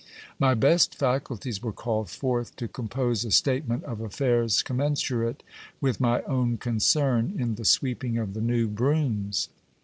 My best faculties were called forth, to compost a statement of aifairs commensurate with my own concern in the sweeping of the new brooms.